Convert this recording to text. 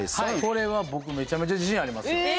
これは僕めちゃめちゃ自信ありますよ。